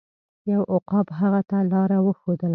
یو عقاب هغه ته لاره وښودله.